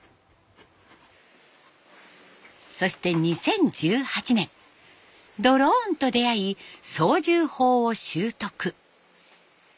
そして２０１８年ドローンと出会い操縦法を習得。